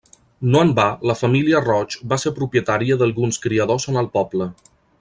No en va la família Roig va ser propietària d'alguns criadors en el poble.